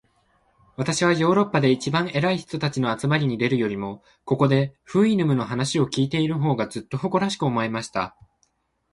私はヨーロッパで一番偉い人たちの集まりに出るよりも、ここで、フウイヌムの話を開いている方が、ずっと誇らしく思えました。